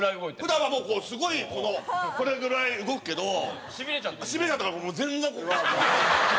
普段はもうこうすごいこのこれぐらい動くけどしびれちゃったらから全然。